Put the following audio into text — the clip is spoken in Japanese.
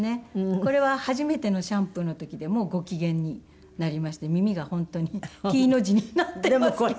これは初めてのシャンプーの時でもうご機嫌になりまして耳が本当にＴの字になっていますけど。